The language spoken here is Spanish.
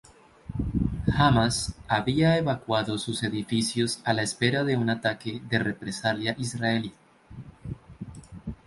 Hamas había evacuado sus edificios a la espera de un ataque de represalia israelí.